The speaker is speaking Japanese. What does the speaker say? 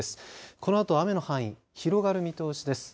このあと雨の範囲広がる見通しです。